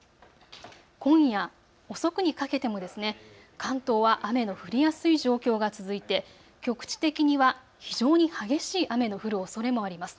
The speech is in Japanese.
今夜遅くにかけても関東は雨の降りやすい状況が続いて局地的には非常に激しい雨の降るおそれもあります。